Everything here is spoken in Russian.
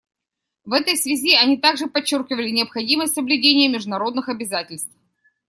В этой связи они также подчеркивали необходимость соблюдения международных обязательств.